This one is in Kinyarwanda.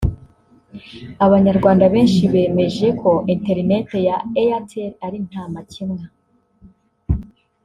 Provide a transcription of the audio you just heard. abanyarwanda benshi bemeje ko interineti ya Airtel ari nta makemwa